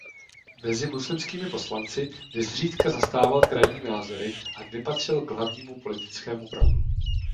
Mezi muslimskými poslanci nezřídka zastával krajní názory a nepatřil k hlavnímu politickému proudu.